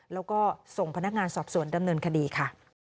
แล้วก็ส่งพนักงานสอบสวนดำเนินคดีค่ะ